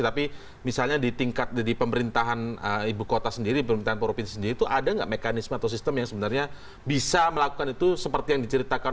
tapi misalnya di tingkat di pemerintahan ibu kota sendiri pemerintahan provinsi sendiri itu ada nggak mekanisme atau sistem yang sebenarnya bisa melakukan itu seperti yang diceritakan